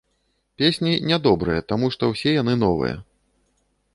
Песні не добрыя, таму што ўсе яны новыя.